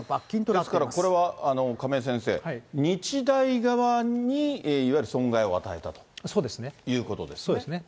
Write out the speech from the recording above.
ですからこれは、亀井先生、日大側にいわゆる損害を与えたということですね。